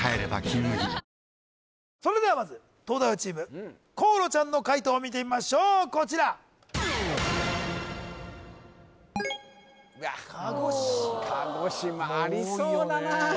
それではまず東大王チーム河野ちゃんの解答を見てみましょうこちら鹿児島鹿児島ありそうだなあ